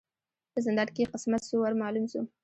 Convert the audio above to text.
په زندان کی یې قسمت سو ور معلوم سو